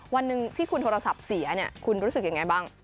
วันหนึ่งที่คุณโทรศัพท์เสียคุณรู้สึกยังไงบ้าง